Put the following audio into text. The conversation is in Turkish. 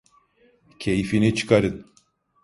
Keyfini çıkarın.